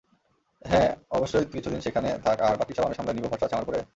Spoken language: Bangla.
হ্যাঁঁ, অবশ্যই কিছুদিন সেখানে থাক আর বাকীসব আমি সামলে নিবো ভরসা আছে আমার উপরে?